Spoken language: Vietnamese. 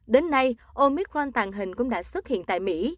đến nay omicron tàng hình cũng đã xuất hiện tại mỹ